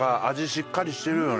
しっかりしてるよね。